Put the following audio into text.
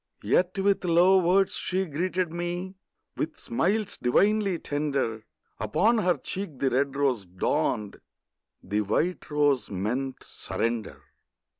Yet with low words she greeted me, With smiles divinely tender; Upon her cheek the red rose dawned, The white rose meant surrender.